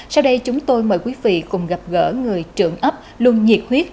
sau đây chúng tôi mời quý vị cùng gặp gỡ người trưởng ấp luôn nhiệt huyết